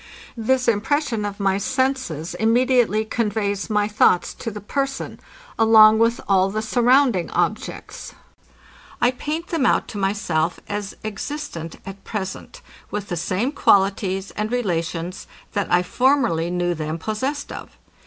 This impression of my senses immediately conveys my thoughts to the person, along with all the surrounding objects. I paint them out to myself as existent at present, with the same qualities and relations, that I formerly knew them possessed of.